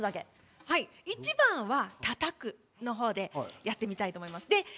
１番は、たたくの方でやってみたいと思います。